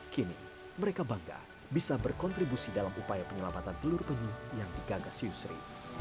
kini mereka bangga bisa berkontribusi dalam upaya penyelamatan telur penyu yang digagas yusri